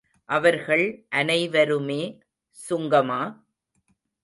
அவர்கள் அனைவருமே சுங்கமா?